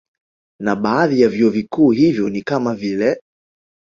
Na baadhi ya vyuo vikuu hivyo ni kama vile